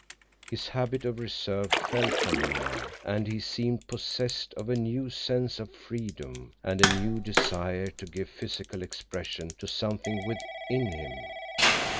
His habit of reserve fell from him now, and he seemed possessed of a new sense of freedom and a new desire to give physical expression to something within him.